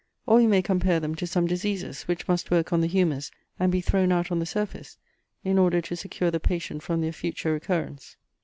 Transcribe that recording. Or we may compare them to some diseases, which must work on the humours, and be thrown out on the surface, in order to secure the patient from their future recurrence.